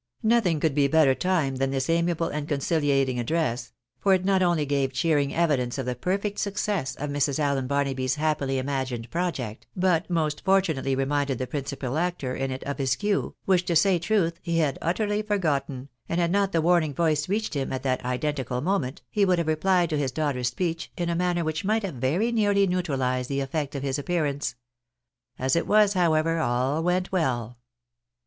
Nothing could be better timed than this amiable and conciliat ing address ; for it not only gave cheering evidence of the perfect success of Mrs. Allen Barnaby's happily imagined project, but most fortunately reminded the principal actor in it of his cue, which, to say truth, he had utterly forgoten, and had not the warning voice reached him at that identical moment, he would have replied to his daughter's speech in a manner which might have very nearly neutralised the effect of his appearance. As it was, however, all went well.